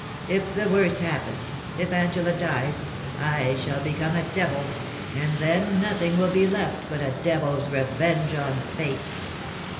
If the worst happens — if Angela dies — I shall become a devil ; and then nothing will be left but a devil's revenge on fate.'